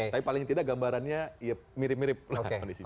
tapi paling tidak gambarannya mirip mirip lah kondisinya